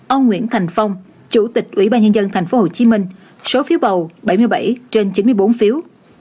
ông nguyễn thành phong chủ tịch ủy ban nhân dân tp hcm số phiếu bầu bảy mươi bảy trên chín mươi bốn phiếu